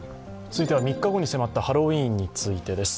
続いては、３日後に迫ったハロウィーンについてです。